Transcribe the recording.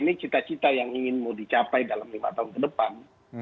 ini cita cita yang ingin mau dicapai dalam lima tahun ke depan